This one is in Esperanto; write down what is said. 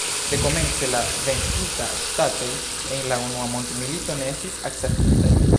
Dekomence la venkitaj ŝtatoj en la Unua Mondmilito ne estis akceptitaj.